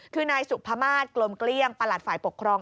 คือนายสุพมาศกลมเกลี้ยงประหลัดฝ่ายปกครอง